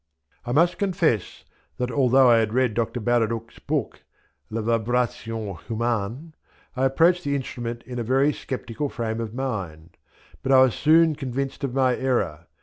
I must confess that, although I had read Dr. Baraduc's book, "Les Vibrations Humaines," I approached the instrument in a very sceptical frame of mind; but I was soon convinced of my error.